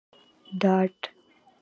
ډاډ